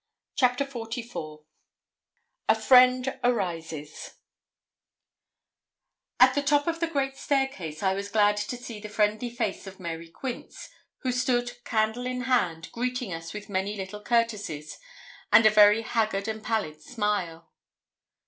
CHAPTER XLIV A FRIEND ARISES At the top of the great staircase I was glad to see the friendly face of Mary Quince, who stood, candle in hand, greeting us with many little courtesies, and a very haggard and pallid smile.